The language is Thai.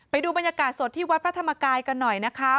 ไปดูบรรยากาศสดที่วัดพระธรรมกายกันหน่อยนะคะ